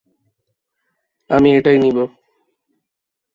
আমি এটাই নিবো।